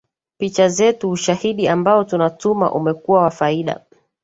picha zetu ushahidi ambao tunatuma umekuwa wa faida